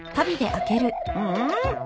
うん！？